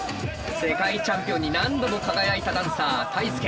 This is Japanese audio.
世界チャンピオンに何度も輝いたダンサーＴＡＩＳＵＫＥ。